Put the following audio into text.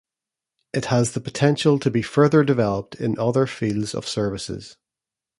It has the potential to be further developed in other fields of services.